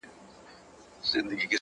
ولاكه مو په كار ده دا بې ننگه ككرۍ